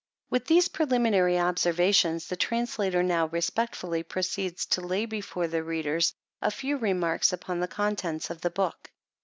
With these preliminary observations, the translator now respectfully proceeds to lay before the readers a few remarks upon the contents of the book.